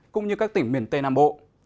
cũng như các tỉnh miền tây nam bộ